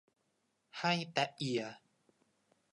ให้แต๊ะเอีย